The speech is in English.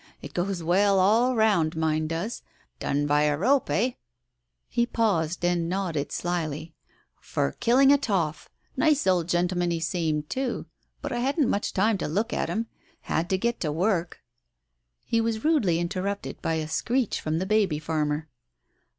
It goes well all round, mine does — done by a rope, eh !" He paused and nodded slyly. "For killing a toff. Digitized by Google HO TALES OF THE UNEASY Nice old gentleman he seemed, too, but I hadn't much time to look at him. Had to get to work " He was rudely interrupted by a screech from the baby farmer.